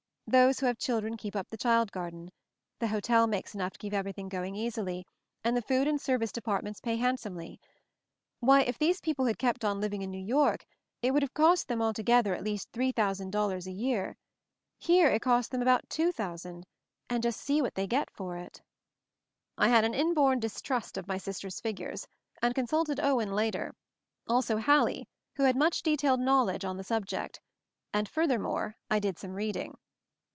Those who have children keep up the child garden. The hotel makes enough to keep everything going easily, and the food and service de partments pay handsomely. Why, if these people had kept on living in New York, it would have cost them altogether at least $8,000.00 a year. Here it just costs them 164 MOVING THE MOUNTAIN X about $2,000.00 — and just see what they get for it." I had an inborn distrust of my sister's figures, and consulted Owen later; also Hallie, who had much detailed knowledge on the subject; and furthermore I did some reading.